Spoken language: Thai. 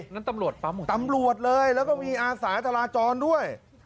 ตำรวจปั๊มหมดตำรวจตำรวจเลยแล้วก็มีอาสาจราจรด้วย